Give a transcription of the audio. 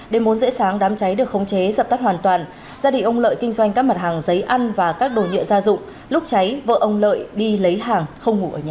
đêm bốn rễ sáng đám cháy được khống chế dập tắt hoàn toàn gia đình ông lợi kinh doanh các mặt hàng giấy ăn và các đồ nhựa gia dụng lúc cháy vợ ông lợi đi lấy hàng không ngủ ở nhà